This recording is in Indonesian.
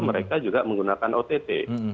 mereka juga menggunakan ott